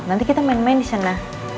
nanti kita main main di sana